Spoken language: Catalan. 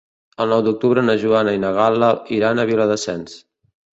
El nou d'octubre na Joana i na Gal·la iran a Viladasens.